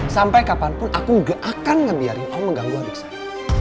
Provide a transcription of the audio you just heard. sampai kapanpun aku gak akan ngebiarin kamu mengganggu adik saya